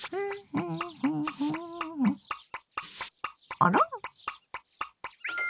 あら？